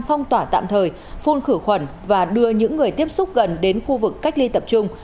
phong tỏa tạm thời phun khử khuẩn và đưa những người tiếp xúc gần đến khu vực cách ly tập trung